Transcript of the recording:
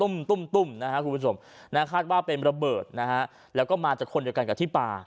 คุณผู้ชมน่าคาดว่าเป็นระเบิดแล้วก็มาจากคนเดียวกันกับที่ปลา